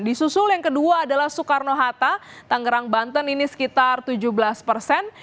disusul yang kedua adalah soekarno hatta tangerang banten ini sekitar tujuh belas persen